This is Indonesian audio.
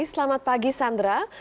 selamat pagi sandra